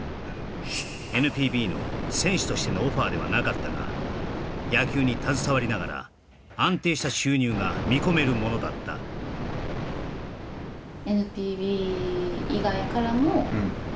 ＮＰＢの選手としてのオファーではなかったが野球に携わりながら安定した収入が見込めるものだったうんうんそうやね